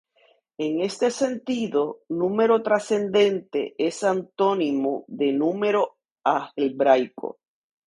En este sentido, "número trascendente" es antónimo de "número algebraico".